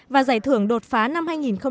và giải thưởng đột phá năm hai nghìn một mươi sáu